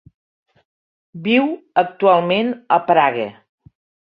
Viu actualment a Praga.